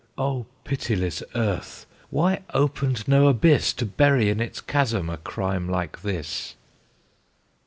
O pitiless earth! why opened no abyss To bury in its chasm a crime like this?